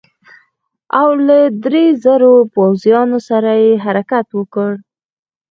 او له دریو زرو پوځیانو سره یې حرکت وکړ.